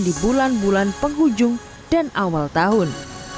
di bulan bulan penghujung dan awal tahun